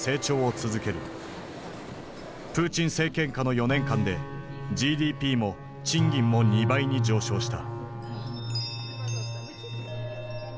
プーチン政権下の４年間でＧＤＰも賃金も２倍に上昇した。